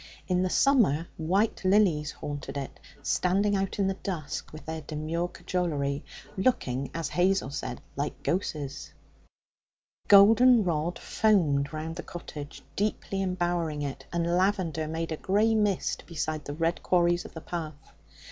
In the summer white lilies haunted it, standing out in the dusk with their demure cajolery, looking, as Hazel said, like ghosses. Goldenrod foamed round the cottage, deeply embowering it, and lavender made a grey mist beside the red quarries of the path.